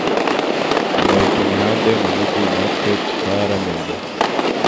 Kumurika imihanda yo mumujyi natwe twaramenye